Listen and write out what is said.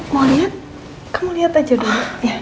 mau lihat kamu lihat aja dulu